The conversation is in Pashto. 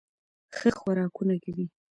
ښه خوراکونه کوي